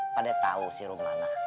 pada tau si rumana